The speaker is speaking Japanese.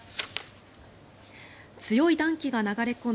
強い暖気が流れ込み